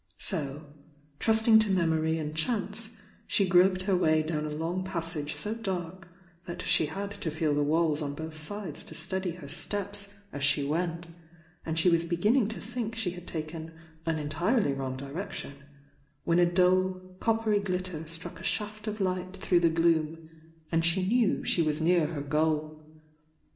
So, trusting to memory and chance she groped her way down a long passage so dark that she had to feel the walls on both sides to steady her steps as she went, and she was begin ning to think she had taken an entirely wrong direc tion, when a dull, coppery glitter struck a shaft of light through the gloom and she knew she was near her goal.